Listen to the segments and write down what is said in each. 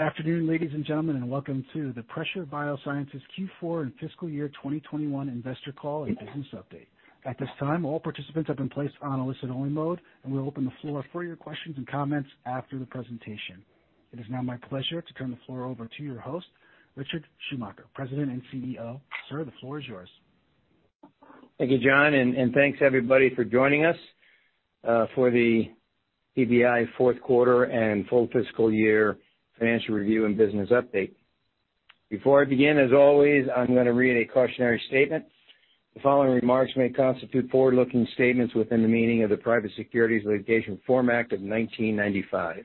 Afternoon, ladies and gentlemen, and welcome to the Pressure BioSciences Q4 and fiscal year 2021 investor call and business update. At this time, all participants have been placed on a listen-only mode, and we'll open the floor for your questions and comments after the presentation. It is now my pleasure to turn the floor over to your host, Richard Schumacher, President and CEO. Sir, the floor is yours. Thank you, John, and thanks everybody for joining us for the PBI fourth quarter and full fiscal year financial review and business update. Before I begin, as always, I'm gonna read a cautionary statement. The following remarks may constitute forward-looking statements within the meaning of the Private Securities Litigation Reform Act of 1995.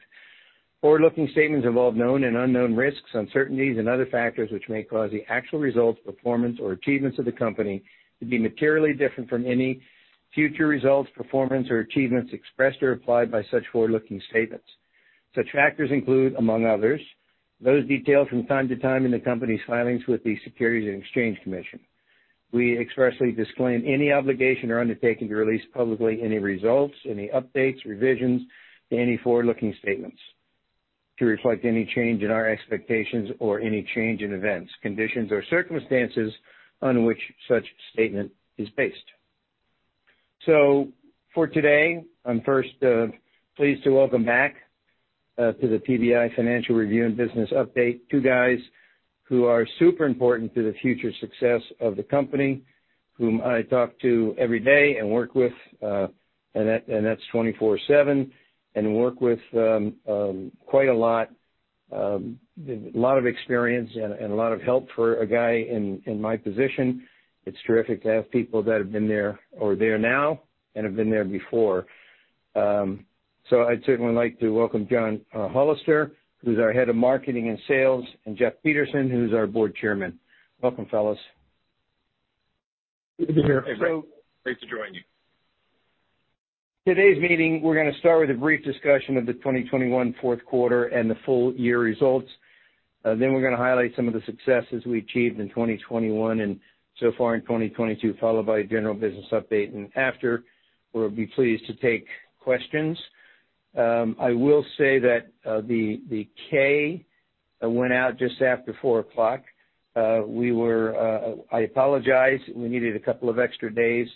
Forward-looking statements involve known and unknown risks, uncertainties, and other factors which may cause the actual results, performance, or achievements of the company to be materially different from any future results, performance, or achievements expressed or implied by such forward-looking statements. Such factors include, among others, those detailed from time to time in the company's filings with the Securities and Exchange Commission. We expressly disclaim any obligation or undertaking to release publicly any results, any updates, revisions to any forward-looking statements to reflect any change in our expectations or any change in events, conditions, or circumstances on which such statement is based. For today, I'm first pleased to welcome back to the PBI financial review and business update, two guys who are super important to the future success of the company, whom I talk to every day and work with, and that's 24/7, and work with quite a lot of experience and a lot of help. For a guy in my position, it's terrific to have people that have been there or there now and have been there before. I'd certainly like to welcome John Hollister, who's our Head of Marketing and Sales, and Jeff Peterson, who's our Board Chairman. Welcome, fellas. Good to be here. Great to join you. Today's meeting, we're gonna start with a brief discussion of the 2021 fourth quarter and the full year results. We're gonna highlight some of the successes we achieved in 2021 and so far in 2022, followed by a general business update. After, we'll be pleased to take questions. I will say that, the K went out just after 4:00 P.M. I apologize, we needed a couple of extra days.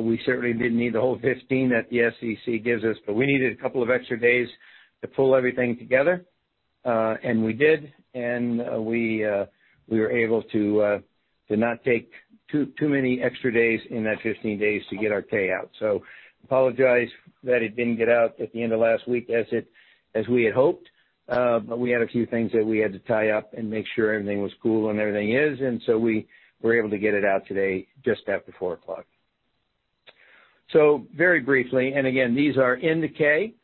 We certainly didn't need the whole 15 that the SEC gives us, but we needed a couple of extra days to pull everything together, and we did. We were able to not take too many extra days in that 15 days to get our K out. Apologize that it didn't get out at the end of last week as we had hoped. But we had a few things that we had to tie up and make sure everything was cool and everything is, and so we were able to get it out today just after 4:00 P.M. Very briefly, and again, these are in the K,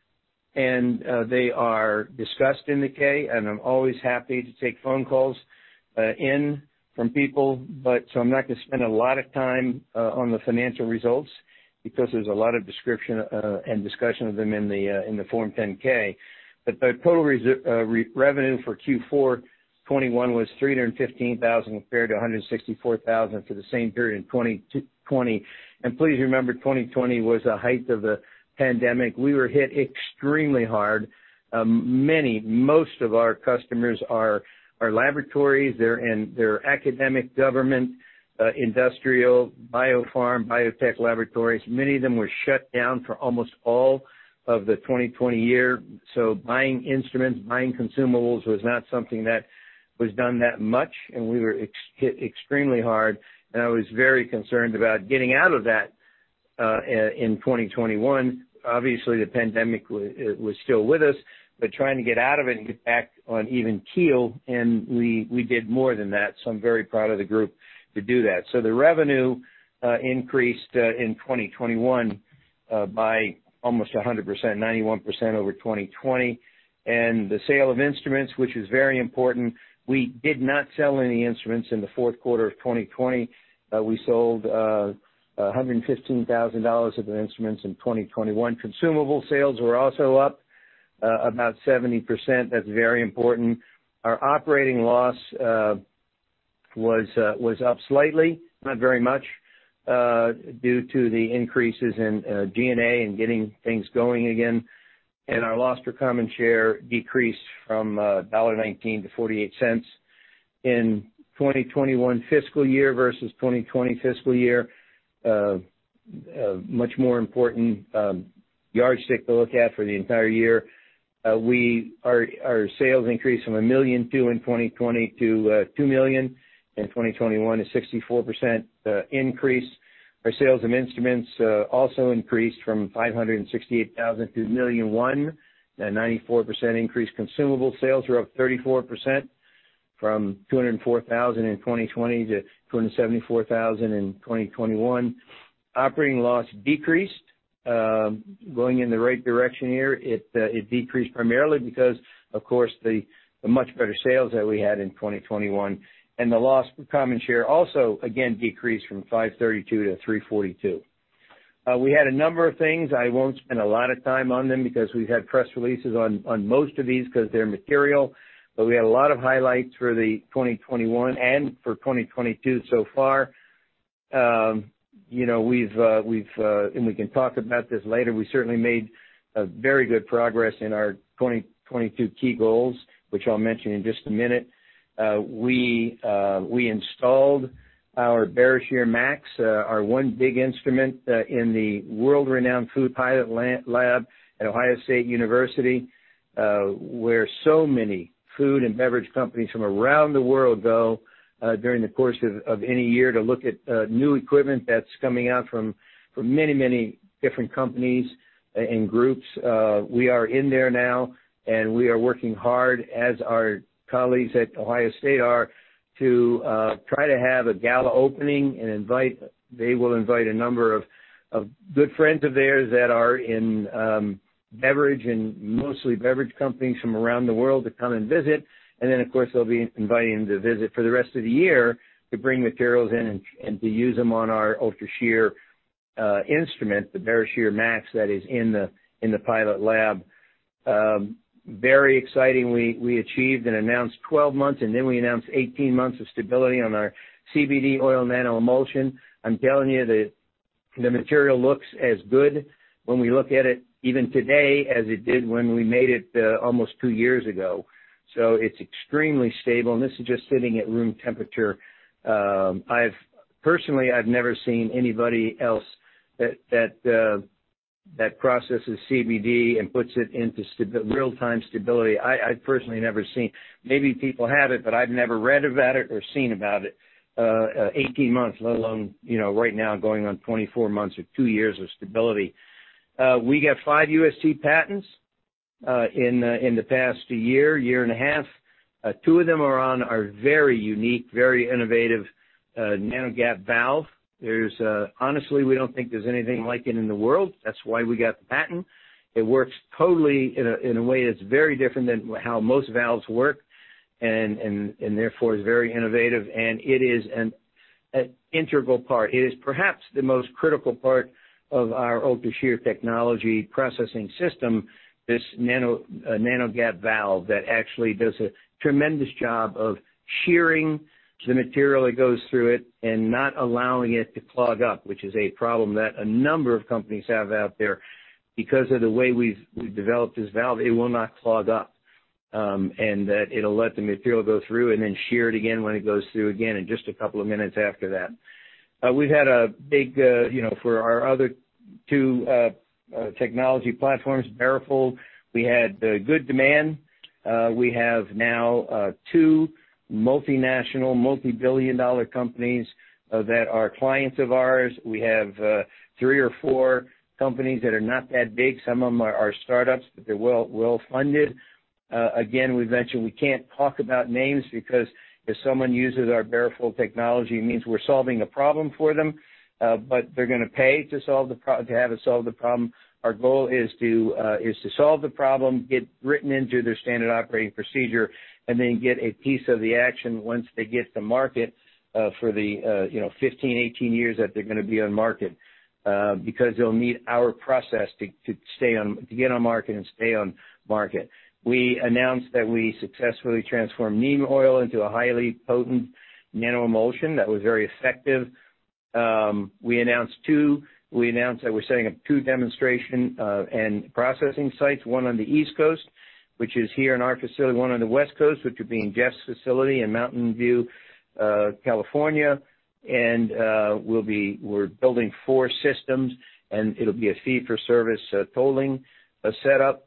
and they are discussed in the K. I'm always happy to take phone calls in from people. I'm not gonna spend a lot of time on the financial results because there's a lot of description and discussion of them in the Form 10-K. The total revenue for Q4 2021 was $315,000 compared to $164,000 for the same period in 2020. Please remember, 2020 was the height of the pandemic. We were hit extremely hard. Many, most of our customers are laboratories. They're academic government, industrial biopharm, biotech laboratories. Many of them were shut down for almost all of the 2020 year. Buying instruments, buying consumables was not something that was done that much, and we were hit extremely hard. I was very concerned about getting out of that in 2021. Obviously, the pandemic was still with us but trying to get out of it and get back on even keel, and we did more than that, so I'm very proud of the group to do that. The revenue increased in 2021 by almost 100%, 91% over 2020. The sale of instruments, which is very important, we did not sell any instruments in the fourth quarter of 2020. We sold $115,000 of the instruments in 2021. Consumable sales were also up about 70%. That's very important. Our operating loss was up slightly, not very much, due to the increases in G&A and getting things going again. Our loss per common share decreased from $1.19 to $0.48 in 2021 fiscal year versus 2020 fiscal year, a much more important yardstick to look at for the entire year. Our sales increased from $1.2 million in 2020 to $2 million in 2021, a 64% increase. Our sales of instruments also increased from $568,000 to $1.1 million, a 94% increase. Consumable sales were up 34% from $204,000 in 2020 to $274,000 in 2021. Operating loss decreased, going in the right direction here. It decreased primarily because, of course, the much better sales that we had in 2021. The loss per common share also again decreased from $0.532 to $0.342. We had a number of things. I won't spend a lot of time on them because we've had press releases on most of these 'cause they're material. We had a lot of highlights for the 2021 and for 2022 so far. You know, we can talk about this later. We certainly made very good progress in our 2022 key goals, which I'll mention in just a minute. We installed our BaroShear MAX, our one big instrument, in the world-renowned food pilot lab at The Ohio State University, where so many food and beverage companies from around the world go during the course of any year to look at new equipment that's coming out from many different companies and groups. We are in there now, and we are working hard, as our colleagues at Ohio State are, to try to have a gala opening. They will invite a number of good friends of theirs that are in beverage and mostly beverage companies from around the world to come and visit. Of course, they'll be inviting them to visit for the rest of the year to bring materials in and to use them on our Ultra Shear instrument, the BaroShear MAX that is in the pilot lab. Very exciting. We achieved and announced 12 months, and then we announced 18 months of stability on our CBD oil nanoemulsion. I'm telling you, the material looks as good when we look at it even today as it did when we made it almost two years ago. So it's extremely stable, and this is just sitting at room temperature. Personally, I've never seen anybody else that processes CBD and puts it into real-time stability. I personally never seen. Maybe people have it, but I've never read about it or seen about it, 18 months, let alone, you know, right now going on 24 months or two years of stability. We got five U.S. patents in the past year and a half. Two of them are on our very unique, very innovative NanoGap valve. There's, honestly, we don't think there's anything like it in the world. That's why we got the patent. It works totally in a way that's very different than how most valves work and therefore is very innovative. It is an integral part. It is perhaps the most critical part of our Ultra Shear Technology processing system, this NanoGap valve that actually does a tremendous job of shearing the material that goes through it and not allowing it to clog up, which is a problem that a number of companies have out there. Because of the way we've developed this valve, it will not clog up. That it'll let the material go through and then shear it again when it goes through again in just a couple of minutes after that. We've had a big, you know, for our other two technology platforms, BaroFold, we had good demand. We have now two multinational, multi-billion-dollar companies that are clients of ours. We have three or four companies that are not that big. Some of them are startups, but they're well-funded. Again, we mentioned we can't talk about names because if someone uses our BaroFold Technology, it means we're solving a problem for them, but they're gonna pay to have us solve the problem. Our goal is to solve the problem, get written into their standard operating procedure, and then get a piece of the action once they get to market, for the, you know, 15, 18 years that they're gonna be on market, because they'll need our process to get on market and stay on market. We announced that we successfully transformed neem oil into a highly potent nanoemulsion that was very effective. We announced two. We announced that we're setting up two demonstration and processing sites, one on the East Coast, which is here in our facility, one on the West Coast, which would be in Jeff's facility in Mountain View, California. We're building four systems, and it'll be a fee-for-service tolling setup.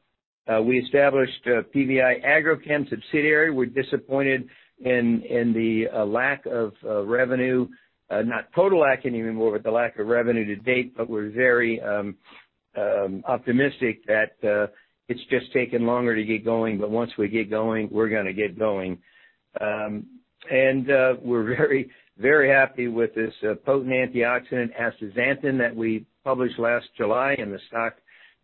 We established a PBI Agrochem subsidiary. We're disappointed in the lack of revenue, not total lack anymore, but the lack of revenue-to-date. We're very optimistic that it's just taking longer to get going. Once we get going, we're gonna get going. We're very, very happy with this potent antioxidant astaxanthin that we published last July, and the stock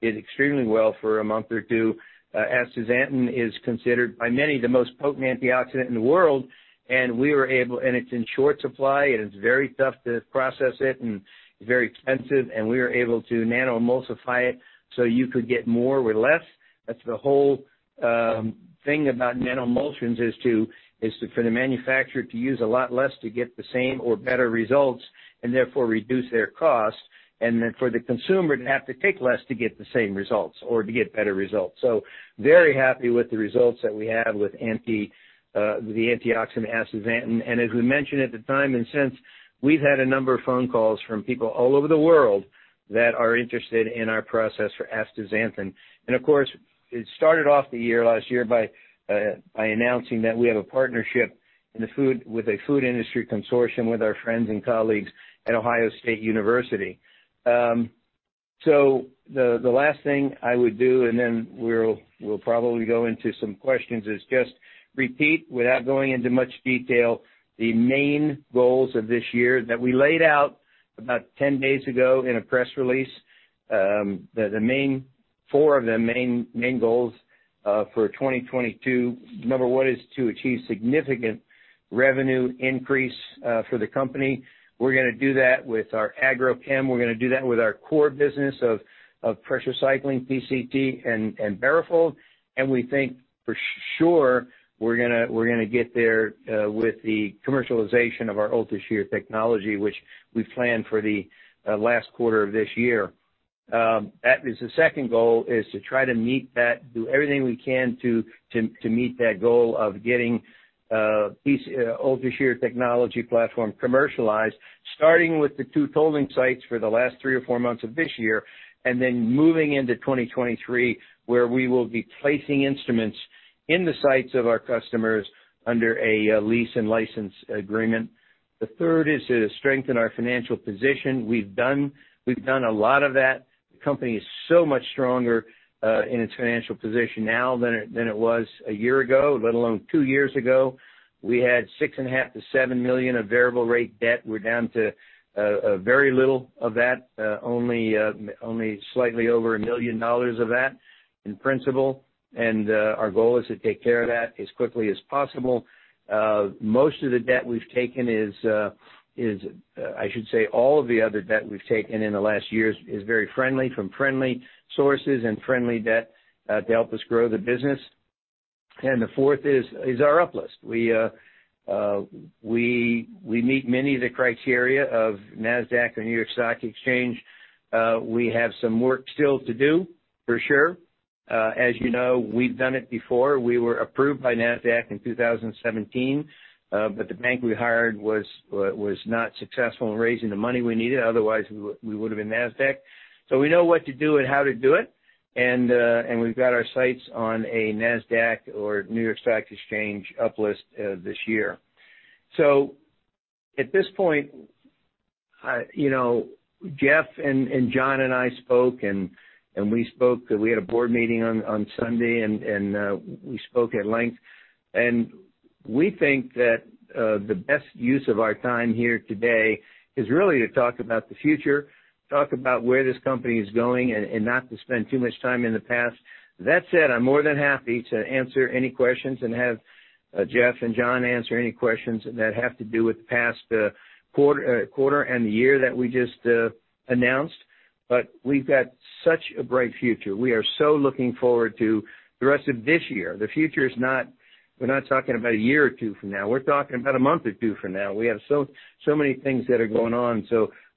did extremely well for a month or two. Astaxanthin is considered by many the most potent antioxidant in the world. It's in short supply, and it's very tough to process it and very expensive, and we were able to nanoemulsify it so you could get more with less. That's the whole thing about nanoemulsions is to, for the manufacturer to use a lot less to get the same or better results and therefore reduce their costs and then for the consumer to have to take less to get the same results or to get better results. Very happy with the results that we have with the antioxidant astaxanthin. As we mentioned at the time and since, we've had a number of phone calls from people all over the world that are interested in our process for astaxanthin. It started off the year last year by announcing that we have a partnership in the food, with a food industry consortium with our friends and colleagues at The Ohio State University. So the last thing I would do, and then we'll probably go into some questions, is just repeat, without going into much detail, the main goals of this year that we laid out about 10 days ago in a press release. The four main goals for 2022. Number one is to achieve significant revenue increase for the company. We're gonna do that with our Agrochem. We're gonna do that with our core business of pressure cycling, PCT, and BaroFold. We think for sure, we're gonna get there with the commercialization of our Ultra Shear Technology, which we plan for the last quarter of this year. That is the second goal, is to try to meet that, do everything we can to meet that goal of getting this Ultra Shear Technology platform commercialized, starting with the two tolling sites for the last three or four months of this year, and then moving into 2023, where we will be placing instruments in the sites of our customers under a lease and license agreement. The third is to strengthen our financial position. We've done a lot of that. The company is so much stronger in its financial position now than it was a year ago, let alone two years ago. We had $6.5 million-$7 million of variable rate debt. We're down to very little of that, only slightly over $1 million of that in principal. Our goal is to take care of that as quickly as possible. Most of the debt we've taken is, I should say, all of the other debt we've taken in the last years is very friendly, from friendly sources and friendly debt to help us grow the business. The fourth is our uplisting. We meet many of the criteria of Nasdaq or New York Stock Exchange. We have some work still to do, for sure. As you know, we've done it before. We were approved by Nasdaq in 2017, but the bank we hired was not successful in raising the money we needed, otherwise we would've been Nasdaq. We know what to do and how to do it, and we've got our sights on a Nasdaq or New York Stock Exchange up-list this year. At this point, you know, Jeff and John and I spoke, and we had a board meeting on Sunday, and we spoke at length. We think that the best use of our time here today is really to talk about the future, talk about where this company is going and not to spend too much time in the past. That said, I'm more than happy to answer any questions and have Jeff and John answer any questions that have to do with the past quarter and the year that we just announced. We've got such a bright future. We are so looking forward to the rest of this year. The future is not. We're not talking about a year or two from now. We're talking about a month or two from now. We have so many things that are going on.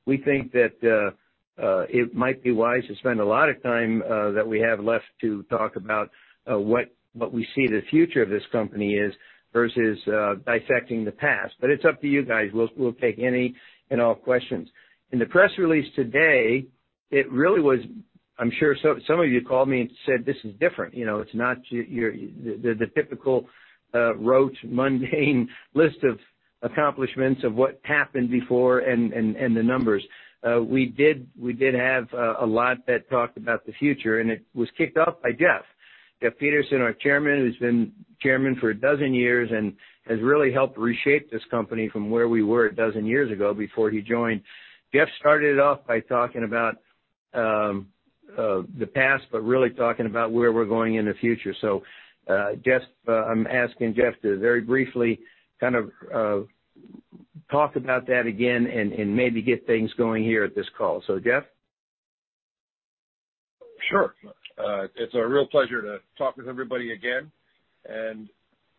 We think that it might be wise to spend a lot of time that we have left to talk about what we see the future of this company is versus dissecting the past. It's up to you guys. We'll take any and all questions. In the press release today, it really was. I'm sure some of you called me and said, "This is different." You know, it's not your typical rote mundane list of accomplishments of what happened before and the numbers. We did have a lot that talked about the future, and it was kicked off by Jeff. Jeff Peterson, our Chairman, who's been Chairman for a dozen years and has really helped reshape this company from where we were a dozen years ago before he joined. Jeff started off by talking about the past, but really talking about where we're going in the future. Jeff, I'm asking Jeff to very briefly kind of talk about that again and maybe get things going here at this call. Jeff? Sure. It's a real pleasure to talk with everybody again.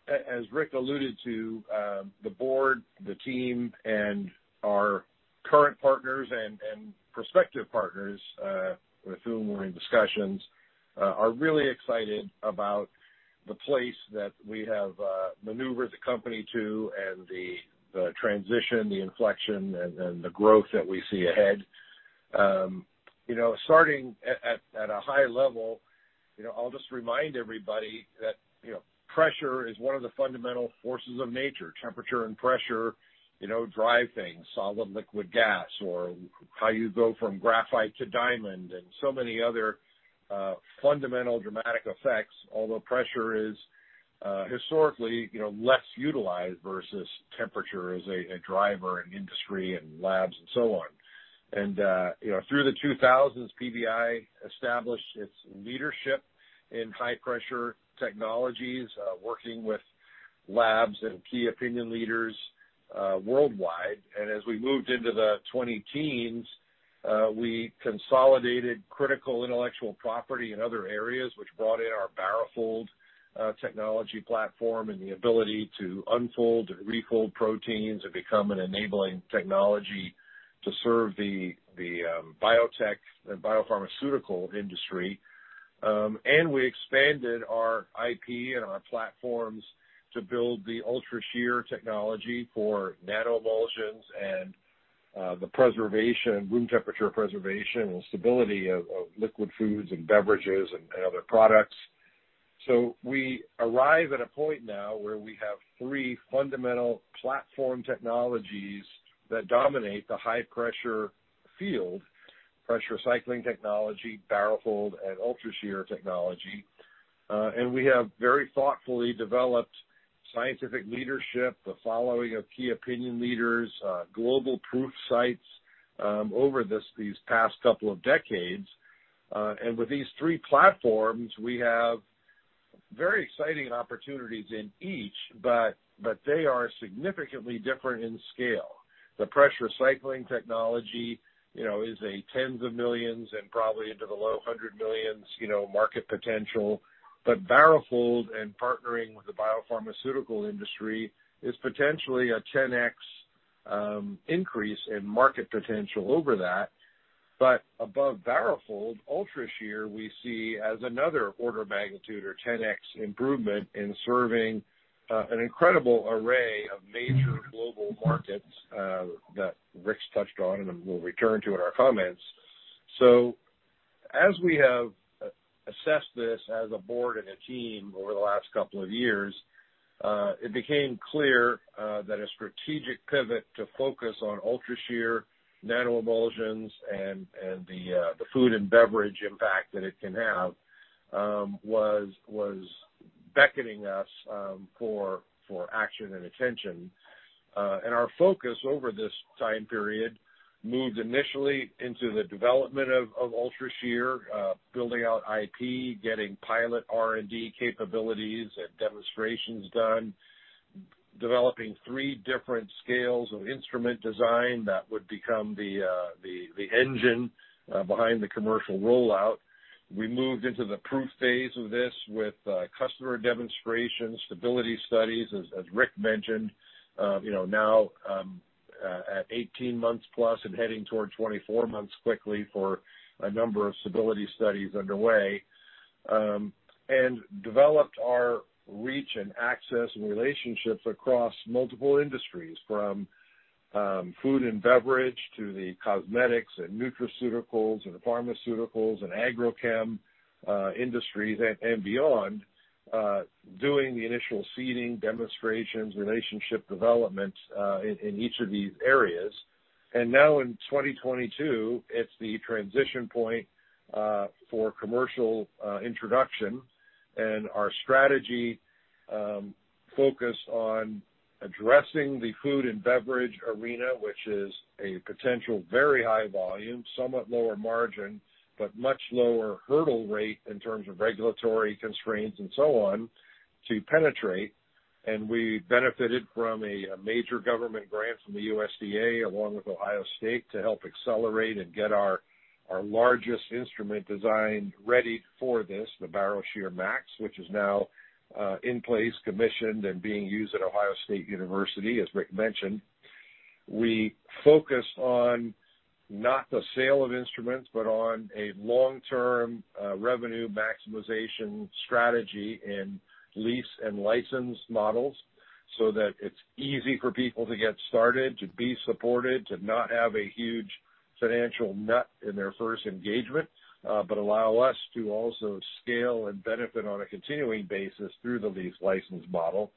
As Rick alluded to, the board, the team, and our current partners and prospective partners with whom we're in discussions are really excited about the place that we have maneuvered the company to and the transition, the inflection and the growth that we see ahead. You know, starting at a high level, you know, I'll just remind everybody that, you know, pressure is one of the fundamental forces of nature. Temperature and pressure, you know, drive things, solid, liquid, gas, or how you go from graphite to diamond and so many other fundamental dramatic effects, although pressure is historically, you know, less utilized versus temperature as a driver in industry and labs and so on. You know, through the 2000s, PBI established its leadership in high pressure technologies, working with labs and key opinion leaders, worldwide. As we moved into the 2010s, we consolidated critical intellectual property in other areas, which brought in our BaroFold Technology platform and the ability to unfold and refold proteins and become an enabling technology to serve the biotech and biopharmaceutical industry. We expanded our IP and our platforms to build the Ultra Shear Technology for nanoemulsions and the preservation, room temperature preservation and stability of liquid foods and beverages and other products. We arrive at a point now where we have three fundamental platform technologies that dominate the high pressure field, Pressure Cycling Technology, BaroFold, and Ultra Shear Technology. We have very thoughtfully developed scientific leadership, the following of key opinion leaders, global proof sites, over these past couple of decades. With these three platforms, we have very exciting opportunities in each, but they are significantly different in scale. The Pressure Cycling Technology, you know, is in the tens of millions and probably into the low hundreds of millions, you know, market potential. BaroFold and partnering with the biopharmaceutical industry is potentially a 10x increase in market potential over that. Above BaroFold, Ultra Shear, we see as another order of magnitude or 10x improvement in serving an incredible array of major global markets that Rick's touched on, and we'll return to in our comments. As we have assessed this as a board and a team over the last couple of years, it became clear that a strategic pivot to focus on Ultra Shear, nanoemulsions, and the food and beverage impact that it can have was beckoning us for action and attention. Our focus over this time period moved initially into the development of Ultra Shear, building out IP, getting pilot R&D capabilities and demonstrations done, developing three different scales of instrument design that would become the engine behind the commercial rollout. We moved into the proof phase of this with customer demonstrations, stability studies, as Rick mentioned, you know, now at 18 months plus and heading toward 24 months quickly for a number of stability studies underway, and developed our reach and access and relationships across multiple industries, from food and beverage to the cosmetics and nutraceuticals and pharmaceuticals and agrochem industries and beyond, doing the initial seeding, demonstrations, relationship development in each of these areas. Now in 2022, it's the transition point for commercial introduction and our strategy focus on addressing the food and beverage arena, which is a potential very high volume, somewhat lower margin, but much lower hurdle rate in terms of regulatory constraints and so on to penetrate. We benefited from a major government grant from the USDA along with Ohio State to help accelerate and get our largest instrument design ready for this, the BaroShear MAX, which is now in place, commissioned, and being used at Ohio State University, as Rick mentioned. We focus on not the sale of instruments, but on a long-term revenue maximization strategy in lease and license models so that it's easy for people to get started, to be supported, to not have a huge financial nut in their first engagement, but allow us to also scale and benefit on a continuing basis through the lease license model.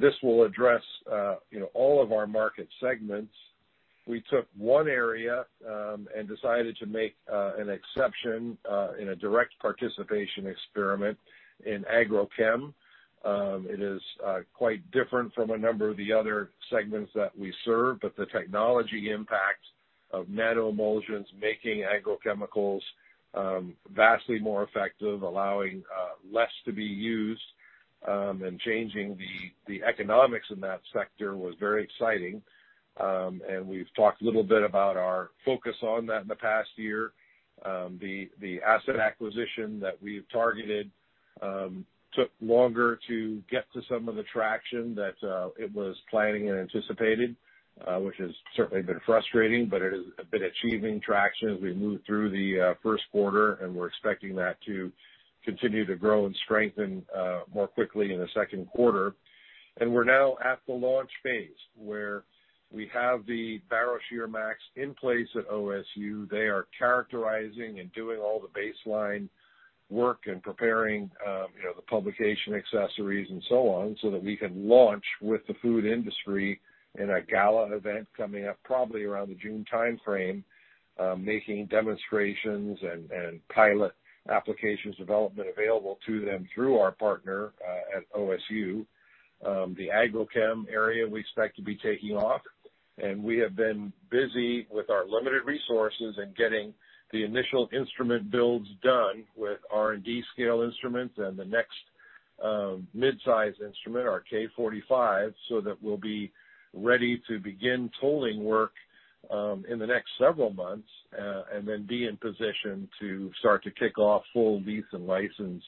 This will address, you know, all of our market segments. We took one area and decided to make an exception in a direct participation experiment in Agrochem. It is quite different from a number of the other segments that we serve, but the technology impact of nanoemulsions making agrochemicals vastly more effective, allowing less to be used, and changing the economics in that sector was very exciting. We've talked a little bit about our focus on that in the past year. The asset acquisition that we've targeted took longer to get to some of the traction that it was planning and anticipated, which has certainly been frustrating, but it has been achieving traction as we move through the first quarter, and we're expecting that to continue to grow and strengthen more quickly in the second quarter. We're now at the launch phase, where we have the BaroShear MAX in place at OSU. They are characterizing and doing all the baseline work and preparing, you know, the publication accessories and so on so that we can launch with the food industry in a gala event coming up probably around the June timeframe, making demonstrations and pilot applications development available to them through our partner at OSU. The agrochem area we expect to be taking off, and we have been busy with our limited resources and getting the initial instrument builds done with R&D scale instruments and the next mid-size instrument, our K45, so that we'll be ready to begin tolling work in the next several months, and then be in position to start to kick off full lease and license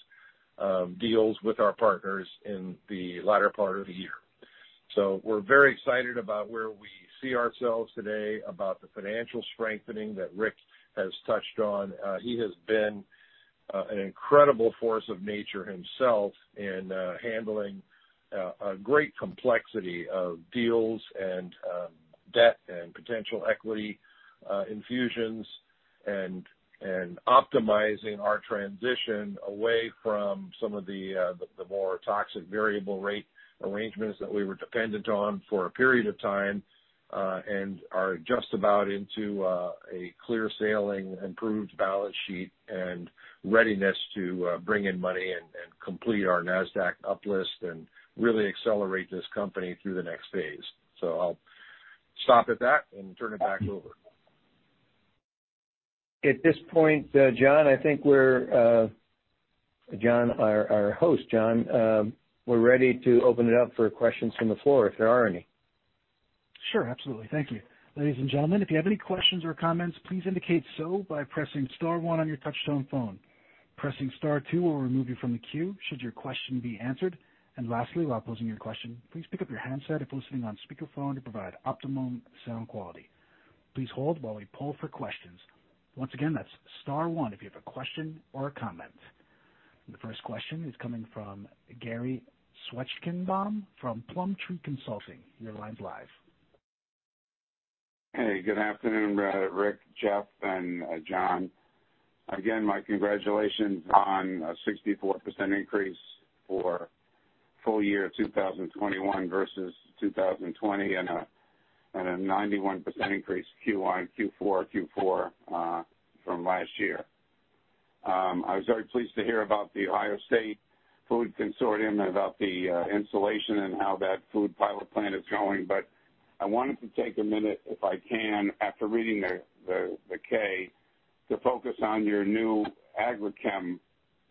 deals with our partners in the latter part of the year. We're very excited about where we see ourselves today, about the financial strengthening that Rick has touched on. He has been an incredible force of nature himself in handling a great complexity of deals and debt and potential equity infusions and optimizing our transition away from some of the more toxic variable rate arrangements that we were dependent on for a period of time and are just about into a clear sailing, improved balance sheet, and readiness to bring in money and complete our Nasdaq uplist and really accelerate this company through the next phase. I'll stop at that and turn it back over. At this point, John, our host, we're ready to open it up for questions from the floor if there are any. Sure. Absolutely. Thank you. Ladies and gentlemen, if you have any questions or comments, please indicate so by pressing star one on your touchtone phone. Pressing star two will remove you from the queue should your question be answered. Lastly, while posing your question, please pick up your handset if listening on speakerphone to provide optimum sound quality. Please hold while we poll for questions. Once again, that's star one if you have a question or a comment. The first question is coming from Gary Zwetchkenbaum from Plum Tree Consulting. Your line's live. Hey, good afternoon, Rick, Jeff, and John. Again, my congratulations on a 64% increase for full year 2021 versus 2020, and a 91% increase Q1, Q4 from last year. I was very pleased to hear about the Ohio State food consortium and about the installation and how that food pilot plant is going. I wanted to take a minute, if I can, after reading the K, to focus on your new Agrochem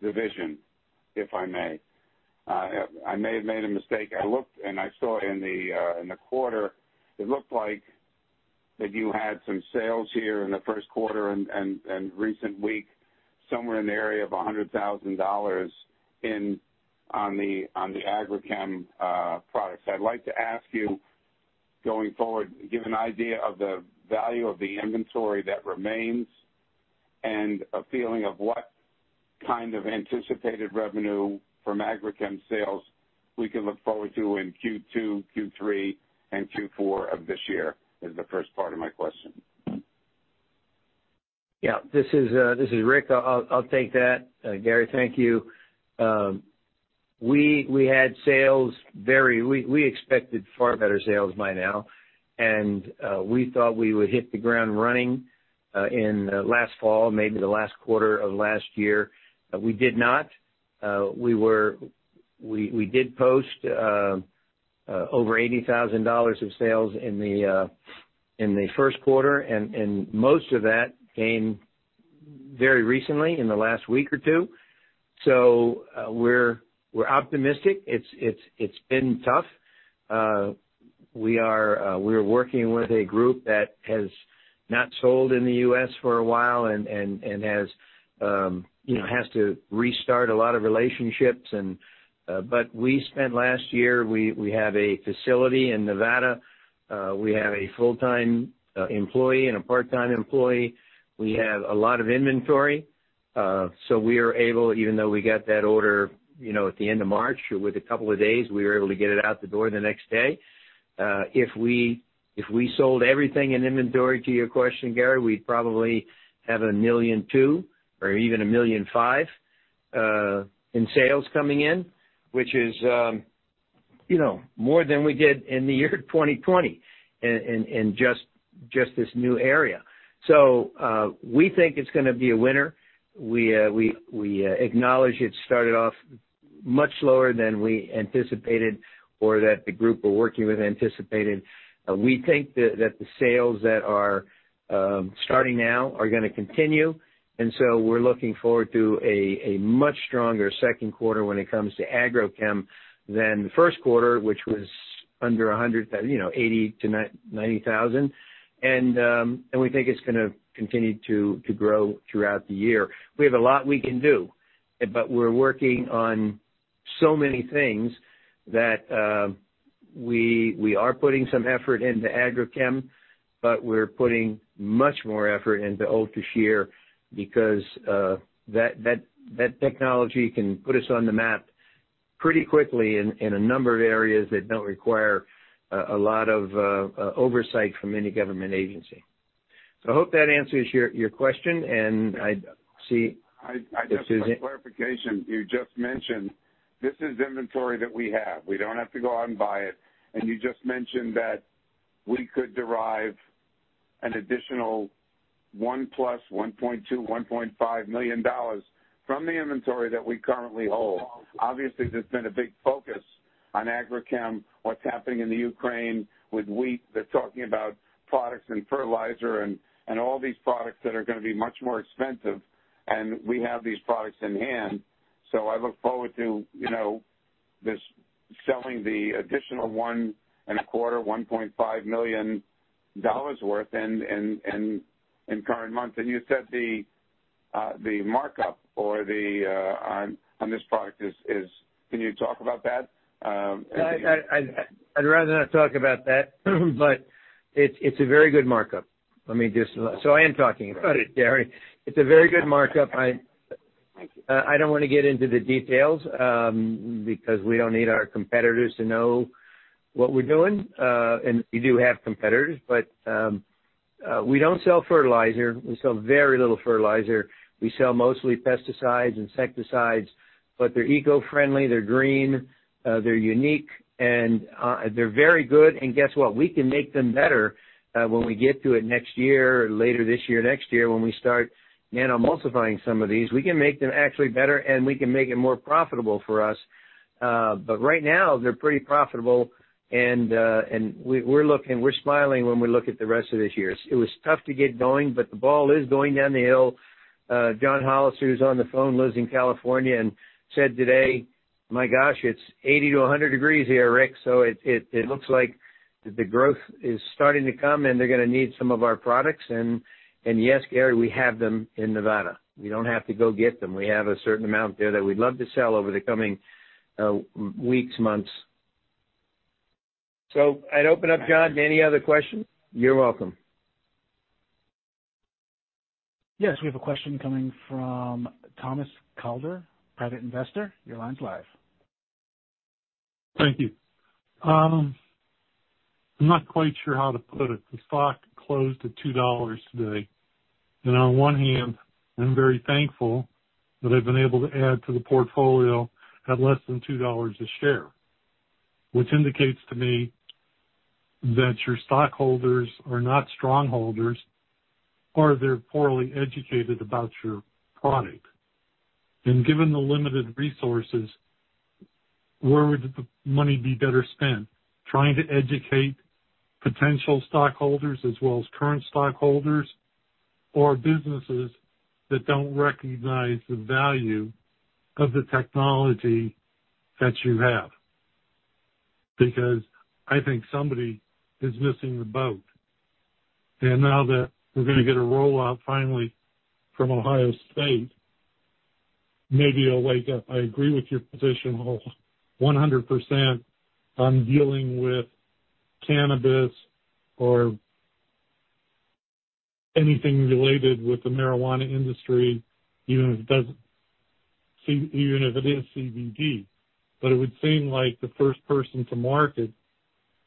division, if I may. I may have made a mistake. I looked, and I saw in the quarter, it looked like that you had some sales here in the first quarter and recent week, somewhere in the area of $100,000 in, on the Agrochem products. I'd like to ask you, going forward, give an idea of the value of the inventory that remains and a feeling of what kind of anticipated revenue from Agrochem sales we can look forward to in Q2, Q3, and Q4 of this year, is the first part of my question. This is Rick. I'll take that. Gary, thank you. We expected far better sales by now, and we thought we would hit the ground running in last fall, maybe the last quarter of last year. We did not. We did post over $80,000 of sales in the first quarter, and most of that came very recently in the last week or two. We're optimistic. It's been tough. We are working with a group that has not sold in the U.S. for a while and has to restart a lot of relationships. But we spent last year. We have a facility in Nevada. We have a full-time employee and a part-time employee. We have a lot of inventory. We are able, even though we got that order, you know, at the end of March, with a couple of days, we were able to get it out the door the next day. If we sold everything in inventory to your question, Gary, we'd probably have $1.2 million or even $1.5 million in sales coming in, which is, you know, more than we did in the year 2020 in just this new area. We think it's gonna be a winner. We acknowledge it started off much lower than we anticipated or that the group we're working with anticipated. We think that the sales that are starting now are gonna continue, and so we're looking forward to a much stronger second quarter when it comes to Agrochem than the first quarter, which was under $100,000, you know, $80,000-$90,000. We think it's gonna continue to grow throughout the year. We have a lot we can do, but we're working on so many things that we are putting some effort into Agrochem, but we're putting much more effort into Ultra Shear because that technology can put us on the map pretty quickly in a number of areas that don't require a lot of oversight from any government agency. I hope that answers your question, and I see. I, just for clarification, you just mentioned this is inventory that we have. We don't have to go out and buy it. You just mentioned that we could derive an additional $1.2 million-$1.5 million from the inventory that we currently hold. Obviously, there's been a big focus on Agrochem, what's happening in the Ukraine with wheat. They're talking about products and fertilizer and all these products that are gonna be much more expensive, and we have these products in hand. I look forward to this selling the additional $1.25 million-$1.5 million worth in current month. You said the markup or the margin on this product is, can you talk about that? I'd rather not talk about that, but it's a very good markup. I ain't talking about it, Gary. It's a very good markup. Thank you. I don't wanna get into the details, because we don't need our competitors to know what we're doing. We do have competitors, but we don't sell fertilizer. We sell very little fertilizer. We sell mostly pesticides, insecticides, but they're eco-friendly, they're green, they're unique, and they're very good. Guess what? We can make them better, when we get to it next year, later this year, next year, when we start nanoemulsifying some of these. We can make them actually better, and we can make it more profitable for us, but right now they're pretty profitable, and we're smiling when we look at the rest of this year. It was tough to get going. The ball is going down the hill. John Hollister, who's on the phone, lives in California and said today, "My gosh, it's 80-100 degrees here, Rick." It looks like the growth is starting to come, and they're gonna need some of our products. Yes, Gary, we have them in Nevada. We don't have to go get them. We have a certain amount there that we'd love to sell over the coming weeks, months. I'd open up, John, to any other questions. You're welcome. Yes. We have a question coming from Thomas Calder, private investor. Your line's live. Thank you. I'm not quite sure how to put it. The stock closed at $2 today. On one hand, I'm very thankful that I've been able to add to the portfolio at less than $2 a share, which indicates to me that your stockholders are not strong holders or they're poorly educated about your product. Given the limited resources, where would the money be better spent? Trying to educate potential stockholders as well as current stockholders or businesses that don't recognize the value of the technology that you have? Because I think somebody is missing the boat. Now that we're gonna get a rollout finally from Ohio State, maybe it'll wake up. I agree with your position 100% on dealing with cannabis or anything related with the marijuana industry, even if it is CBD. It would seem like the first person to market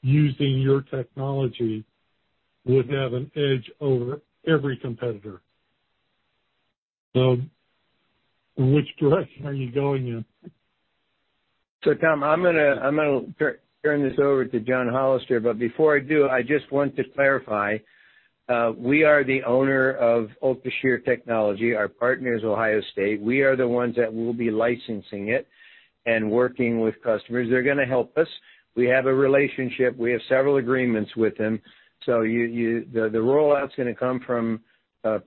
using your technology would have an edge over every competitor. In which direction are you going in? Tom, I'm gonna turn this over to John Hollister, but before I do, I just want to clarify, we are the owner of Ultra Shear Technology. Our partner is Ohio State. We are the ones that will be licensing it and working with customers. They're gonna help us. We have a relationship. We have several agreements with them. The rollout's gonna come from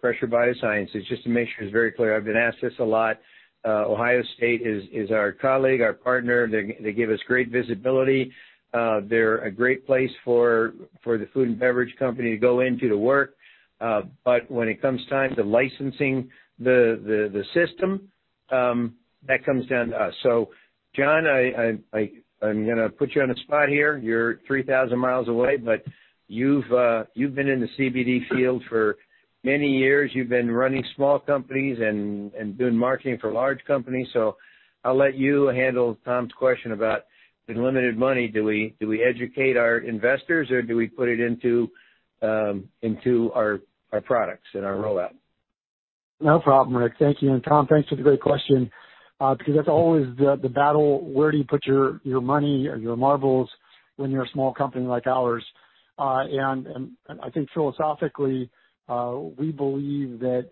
Pressure BioSciences. Just to make sure it's very clear, I've been asked this a lot. Ohio State is our colleague, our partner. They give us great visibility. They're a great place for the food and beverage company to go into to work. But when it comes time to licensing the system, that comes down to us. John, I'm gonna put you on the spot here. You're 3,000 mi away, but you've been in the CBD field for many years. You've been running small companies and doing marketing for large companies. I'll let you handle Tom's question about the limited money. Do we educate our investors or do we put it into our products and our rollout? No problem, Rick. Thank you. Tom, thanks for the great question. Because that's always the battle. Where do you put your money or your marbles when you're a small company like ours? I think philosophically, we believe that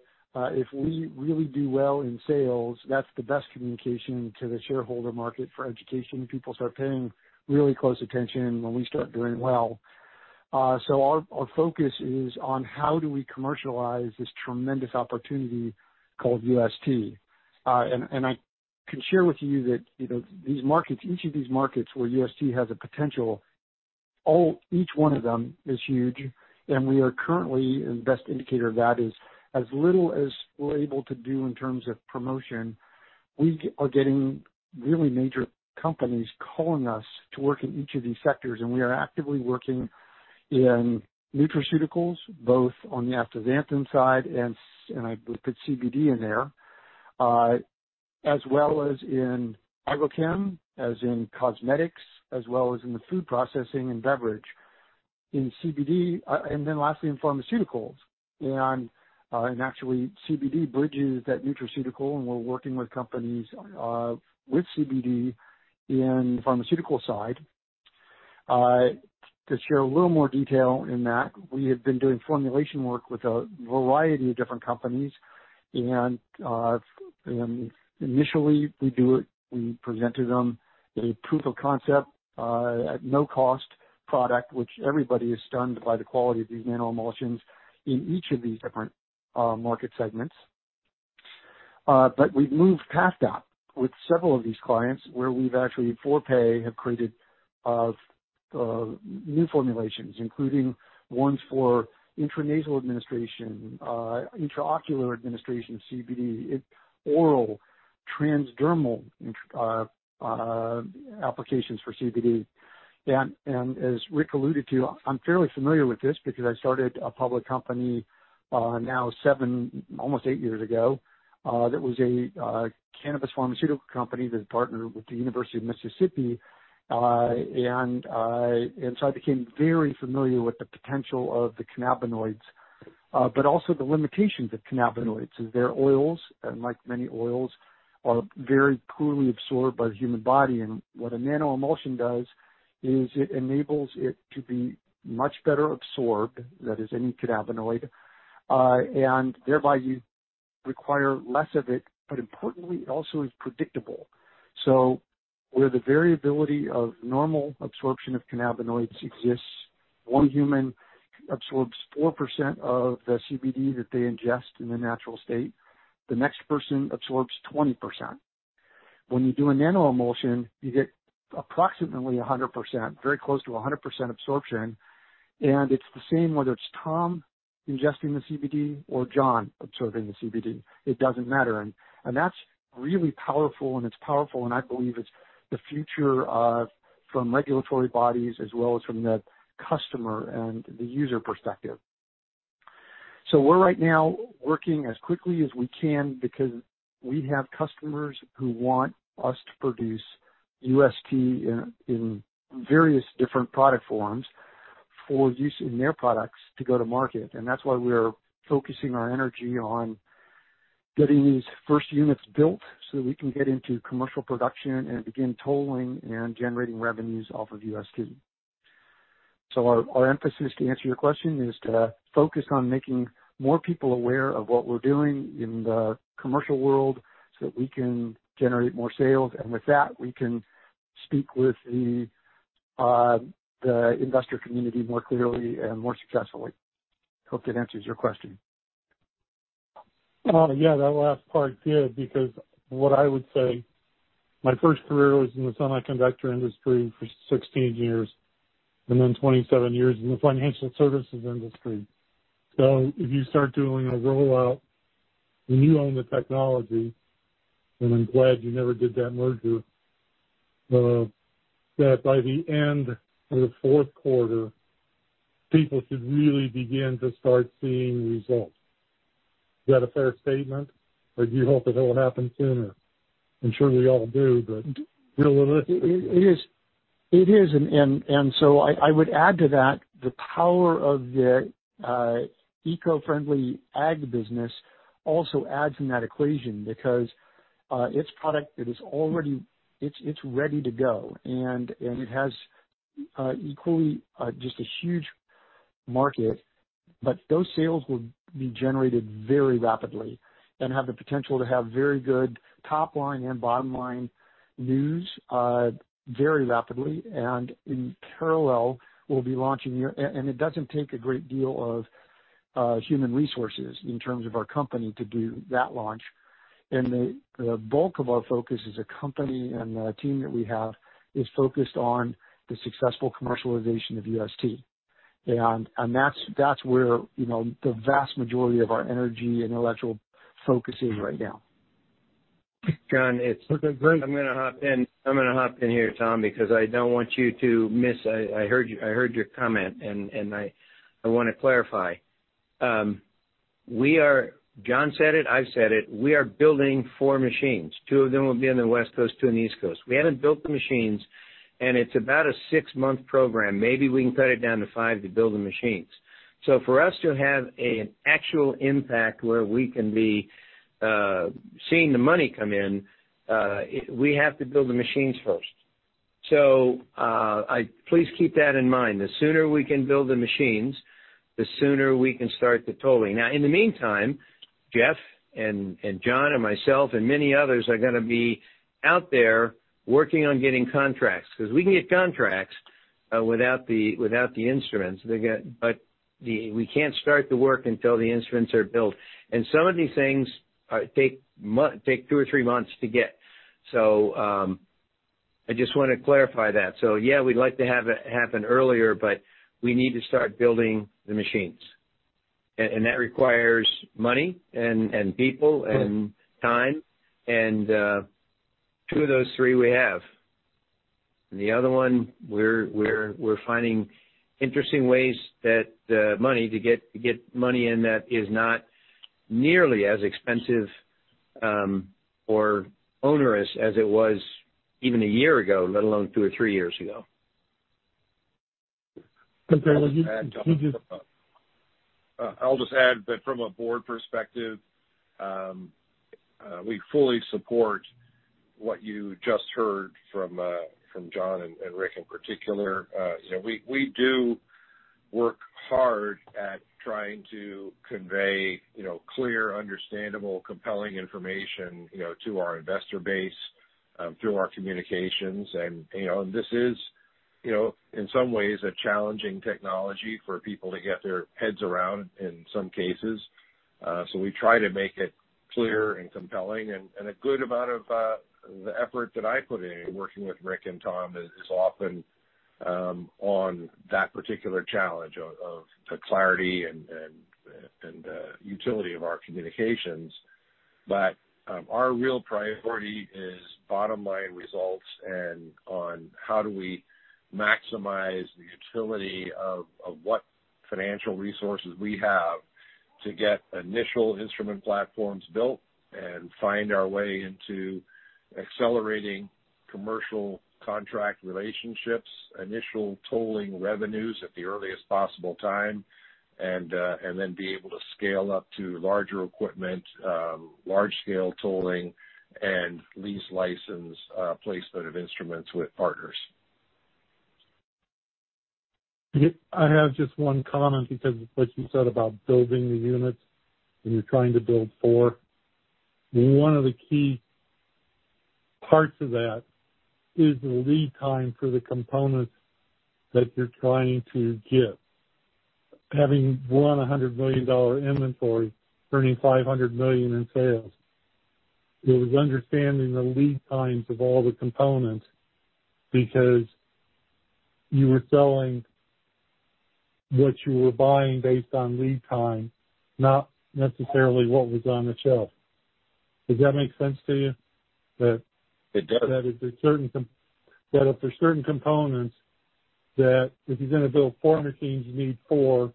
if we really do well in sales, that's the best communication to the shareholder market for education. People start paying really close attention when we start doing well. Our focus is on how do we commercialize this tremendous opportunity called UST. I can share with you that, you know, these markets, each of these markets where UST has a potential, each one of them is huge. We are currently, and best indicator of that is as little as we're able to do in terms of promotion. We are getting really major companies calling us to work in each of these sectors, and we are actively working in nutraceuticals, both on the astaxanthin side and I would put CBD in there, as well as in agrochem, as in cosmetics, as well as in the food processing and beverage. In CBD and then lastly in pharmaceuticals. Actually CBD bridges that nutraceutical and we're working with companies with CBD in the pharmaceutical side. To share a little more detail in that, we have been doing formulation work with a variety of different companies. And initially we do it, we present to them a proof of concept at no cost product, which everybody is stunned by the quality of these nanoemulsions in each of these different market segments. We've moved past that with several of these clients where we've actually for pay have created new formulations, including ones for intranasal administration, intraocular administration of CBD, oral, transdermal applications for CBD. As Rick alluded to, I'm fairly familiar with this because I started a public company now seven, almost eight years ago that was a cannabis pharmaceutical company that partnered with the University of Mississippi. I became very familiar with the potential of the cannabinoids, but also the limitations of cannabinoids is their oils, and like many oils, are very poorly absorbed by the human body. What a nanoemulsion does is it enables it to be much better absorbed, that is any cannabinoid, and thereby you require less of it, but importantly, it also is predictable. Where the variability of normal absorption of cannabinoids exists, one human absorbs 4% of the CBD that they ingest in the natural state. The next person absorbs 20%. When you do a nanoemulsion, you get approximately 100%, very close to 100% absorption. It's the same whether it's Tom ingesting the CBD or John absorbing the CBD. It doesn't matter. That's really powerful, and it's powerful, and I believe it's the future of from regulatory bodies as well as from the customer and the user perspective. We're right now working as quickly as we can because we have customers who want us to produce UST in various different product forms for use in their products to go to market. That's why we're focusing our energy on getting these first units built so that we can get into commercial production and begin tolling and generating revenues off of UST. Our emphasis, to answer your question, is to focus on making more people aware of what we're doing in the commercial world so that we can generate more sales. With that, we can speak with the investor community more clearly and more successfully. Hope that answers your question. Yeah, that last part did, because what I would say, my first career was in the semiconductor industry for 16 years and then 27 years in the financial services industry. If you start doing a rollout and you own the technology, and I'm glad you never did that merger, that by the end of the fourth quarter, people should really begin to start seeing results. Is that a fair statement? Do you hope that it'll happen sooner? I'm sure we all do, but realistically. It is. I would add to that the power of the eco-friendly ag business also adds in that equation because its product is already ready to go. It has equally just a huge market. Those sales will be generated very rapidly and have the potential to have very good top line and bottom line news very rapidly. In parallel, we'll be launching here. It doesn't take a great deal of human resources in terms of our company to do that launch. The bulk of our focus as a company and the team that we have is focused on the successful commercialization of UST. That's where, you know, the vast majority of our energy intellectual focus is right now. John, it's. Okay, go ahead. I'm gonna hop in here, Tom, because I don't want you to miss. I heard your comment, and I wanna clarify. John said it, I've said it. We are building four machines. Two of them will be on the West Coast, two on the East Coast. We haven't built the machines, and it's about a six-month program. Maybe we can cut it down to five to build the machines. For us to have an actual impact where we can be seeing the money come in, we have to build the machines first. Please keep that in mind. The sooner we can build the machines, the sooner we can start the tolling. Now, in the meantime, Jeff and John and myself and many others are gonna be out there working on getting contracts. 'Cause we can get contracts without the instruments. We can't start the work until the instruments are built. Some of these things take two or three months to get. I just wanna clarify that. Yeah, we'd like to have it happen earlier, but we need to start building the machines. That requires money and people and time. Two of those three we have. The other one, we're finding interesting ways to get money in that is not nearly as expensive or onerous as it was even a year ago, let alone two or three years ago. Okay. I'll just add, Tom. I'll just add that from a board perspective, we fully support what you just heard from John and Rick in particular. You know, we do work hard at trying to convey, you know, clear, understandable, compelling information, you know, to our investor base through our communications. You know, this is, you know, in some ways a challenging technology for people to get their heads around in some cases. We try to make it clear and compelling. A good amount of the effort that I put in working with Rick and Tom is often on that particular challenge of the clarity and utility of our communications. Our real priority is bottom line results and on how do we maximize the utility of what financial resources we have to get initial instrument platforms built and find our way into accelerating commercial contract relationships, initial tolling revenues at the earliest possible time, and then be able to scale up to larger equipment, large scale tolling and lease license, placement of instruments with partners. I have just one comment because of what you said about building the units, and you're trying to build four. One of the key parts of that is the lead time for the components that you're trying to get. Having $100 million inventory, earning $500 million in sales, it was understanding the lead times of all the components because you were selling what you were buying based on lead time, not necessarily what was on the shelf. Does that make sense to you? It does. That if there's certain components that if you're gonna build four machines, you need four,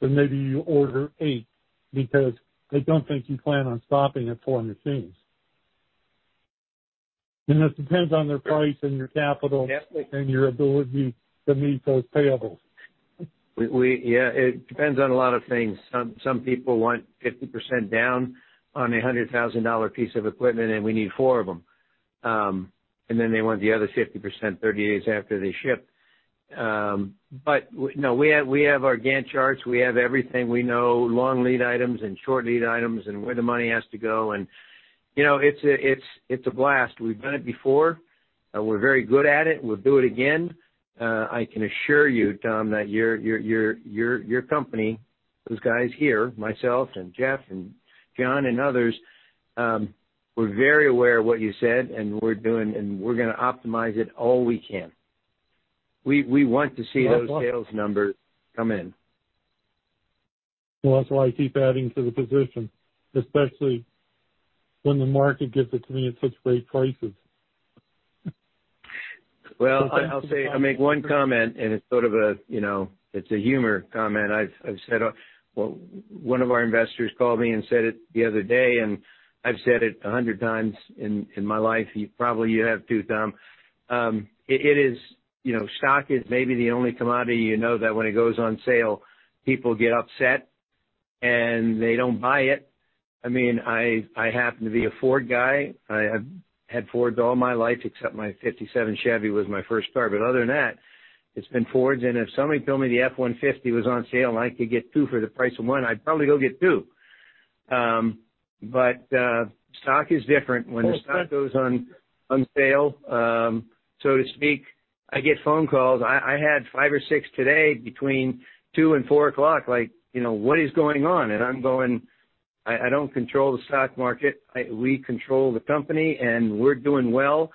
but maybe you order eight because they don't think you plan on stopping at four machines. This depends on their price and your capital. Yeah. Your ability to meet those payables. Yeah, it depends on a lot of things. Some people want 50% down on a $100,000 piece of equipment, and we need four of them. Then they want the other 50% 30 days after they ship. No, we have our Gantt charts. We have everything. We know long lead items and short lead items and where the money has to go. You know, it's a blast. We've done it before. We're very good at it. We'll do it again. I can assure you, Tom, that your company, those guys here, myself and Jeff and John and others, we're very aware of what you said, and we're going to optimize it all we can. We want to see those sales numbers come in. Well, that's why I keep adding to the position, especially when the market gives it to me at such great prices. Well, I'll make one comment, and it's sort of a, you know, it's a humor comment. Well, one of our investors called me and said it the other day, and I've said it 100 times in my life. You probably have, too, Tom. It is, you know, stock is maybe the only commodity you know that when it goes on sale, people get upset, and they don't buy it. I mean, I happen to be a Ford guy. I have had Fords all my life, except my 1957 Chevy was my first car. Other than that, it's been Fords. If somebody told me the F-150 was on sale, and I could get two for the price of one, I'd probably go get two. But stock is different. When the stock goes on sale, so to speak, I get phone calls. I had five or six today between two and four o'clock, like, you know, "What is going on?" I'm going, "I don't control the stock market. We control the company, and we're doing well.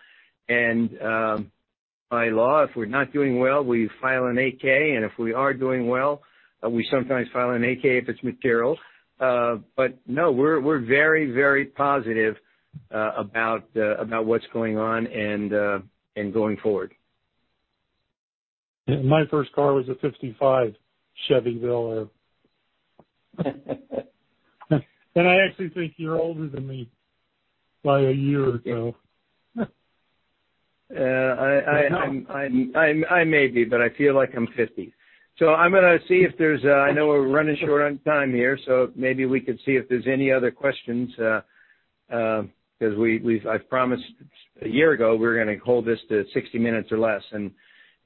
By law, if we're not doing well, we file an 8-K. If we are doing well, we sometimes file an 8-K if it's material." No, we're very positive about what's going on and going forward. My first car was a 1955 Chevy Bel Air. I actually think you're older than me by a year or so. I may be, but I feel like I'm 50. I know we're running short on time here, so maybe we could see if there's any other questions, 'cause I've promised a year ago we're gonna hold this to 60 minutes or less, and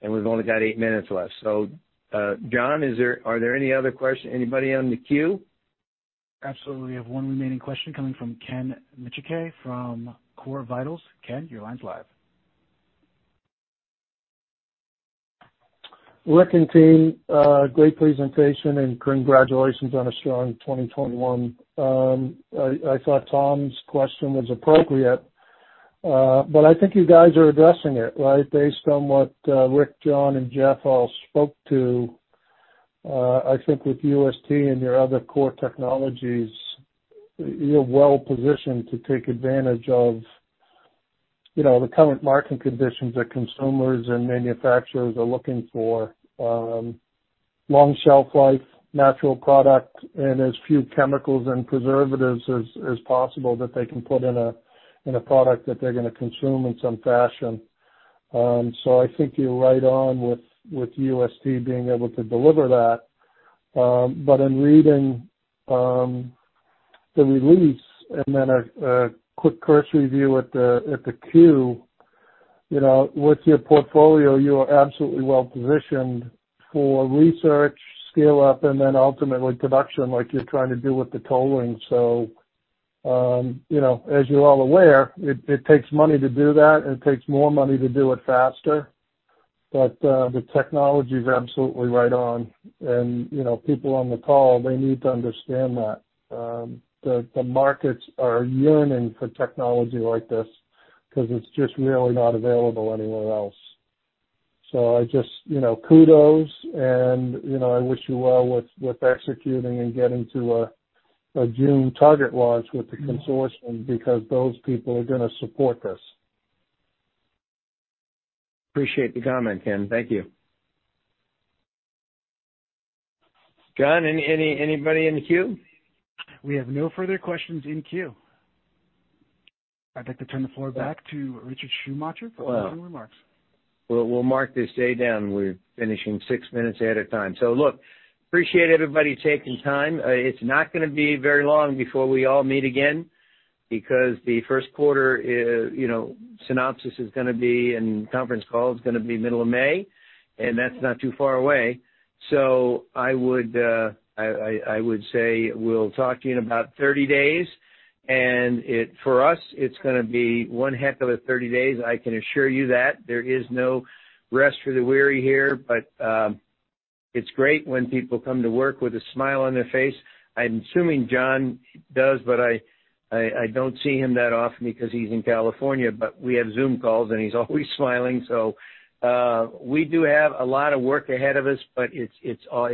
we've only got eight minutes left. John, are there any other questions, anybody on the queue? Absolutely. We have one remaining question coming from [Ken Micike] from [Core Vitals]. Ken, your line's live. Rick and team, great presentation and congratulations on a strong 2021. I thought Tom's question was appropriate, but I think you guys are addressing it, right? Based on what Rick, John, and Jeff all spoke to, I think with UST and your other core technologies, you're well-positioned to take advantage of, you know, the current market conditions that consumers and manufacturers are looking for. Long shelf life, natural product, and as few chemicals and preservatives as possible that they can put in a product that they're gonna consume in some fashion. I think you're right on with UST being able to deliver that. In reading the release and then a quick cursory view at the queue, you know, with your portfolio, you are absolutely well-positioned for research, scale up, and then ultimately production like you're trying to do with the tolling. You know, as you're all aware, it takes money to do that, and it takes more money to do it faster. The technology is absolutely right on. You know, people on the call, they need to understand that. The markets are yearning for technology like this because it's just really not available anywhere else. I just, you know, kudos, you know, I wish you well with executing and getting to a June target launch with the consortium because those people are gonna support this. Appreciate the comment, Ken. Thank you. John, anybody in the queue? We have no further questions in queue. I'd like to turn the floor back to Richard Schumacher for closing remarks. Well, we'll mark this day down. We're finishing six minutes ahead of time. Look, I appreciate everybody taking time. It's not gonna be very long before we all meet again because the first quarter is, you know, synopsis is gonna be, and conference call is gonna be middle of May, and that's not too far away. I would say we'll talk to you in about 30 days. For us, it's gonna be one heck of a 30 days, I can assure you that. There is no rest for the weary here. It's great when people come to work with a smile on their face. I'm assuming John does, but I don't see him that often because he's in California. We have Zoom calls, and he's always smiling. We do have a lot of work ahead of us, but it's all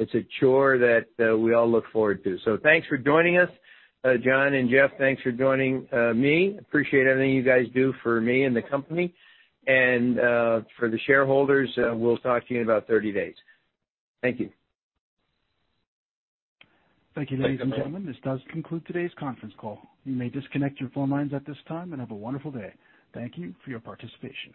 a chore that we all look forward to. Thanks for joining us. John and Jeff, thanks for joining me. Appreciate everything you guys do for me and the company. For the shareholders, we'll talk to you in about 30 days. Thank you. Thank you, ladies and gentlemen. This does conclude today's conference call. You may disconnect your phone lines at this time and have a wonderful day. Thank you for your participation.